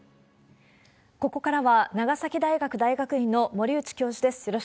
ここからは、長崎大学大学院の森内教授です。